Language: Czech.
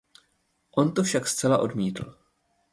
On to však zcela odmítl.